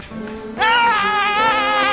はい。